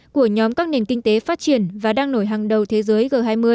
của nhóm các nền kinh tế phát triển và đang nổi hàng đầu thế giới g hai mươi